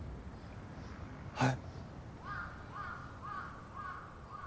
はい。